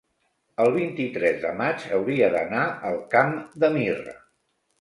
El vint-i-tres de maig hauria d'anar al Camp de Mirra.